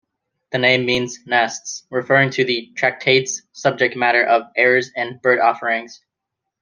The name means "nests", referring to the tractate's subject matter of errors in bird-offerings.